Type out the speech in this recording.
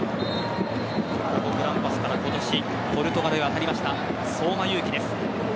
グランパスから今年、ポルトガルに渡りました相馬勇紀です。